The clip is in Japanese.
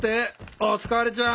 おつかれちゃん。